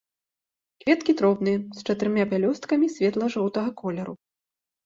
Кветкі дробныя, з чатырма пялёсткамі, светла-жоўтага колеру.